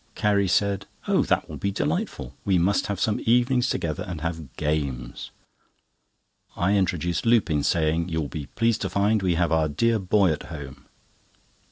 Carrie said: "Oh, that will be delightful! We must have some evenings together and have games." I introduced Lupin, saying: "You will be pleased to find we have our dear boy at home!"